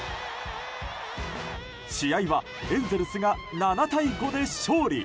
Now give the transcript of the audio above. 試合はエンゼルスが７対５で勝利。